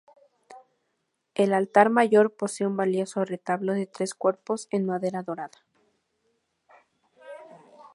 El altar mayor posee un valioso retablo de tres cuerpos en madera dorada.